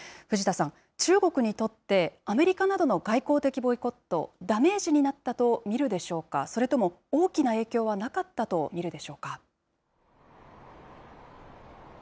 藤田さん、中国にとってアメリカなどの外交的ボイコット、ダメージになったと見るでしょうか、それとも大きな影響はなかったと見